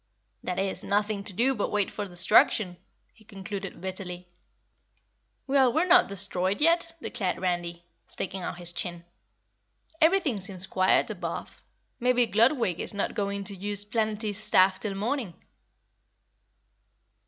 "That is, nothing to do but wait for destruction," he concluded bitterly. "Well, we're not destroyed yet!" declared Randy, sticking out his chin. "Everything seems quiet above. Maybe Gludwig is not going to use Planetty's staff till morning."